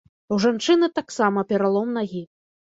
У жанчыны таксама пералом нагі.